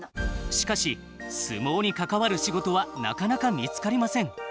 しかし、相撲に関わる仕事はなかなか見つかりません。